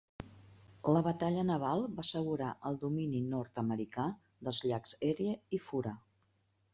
La batalla naval va assegurar el domini nord-americà dels llacs Erie i Fura.